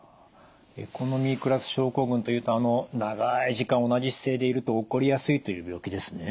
エコノミークラス症候群というとあの長い時間同じ姿勢でいると起こりやすいという病気ですね。